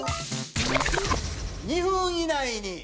２分以内に。